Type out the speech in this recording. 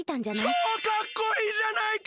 ちょうかっこいいじゃないか！